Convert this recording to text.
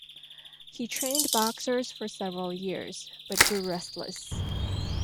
He trained boxers for several years, but grew restless.